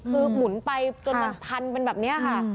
หรือหมุนไปก็ทันเป็นแบบนี้ค่ะ